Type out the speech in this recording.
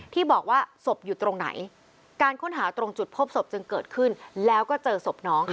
ที่บอกว่าศพอยู่ตรงไหนการค้นหาตรงจุดพบศพจึงเกิดขึ้นแล้วก็เจอศพน้องค่ะ